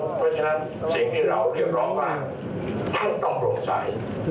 เพราะฉะนั้นสิ่งที่เราเรียกร้องว่าท่านต้องโปร่งใส